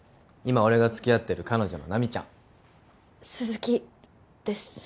今俺が付き合ってる彼女の奈未ちゃん鈴木です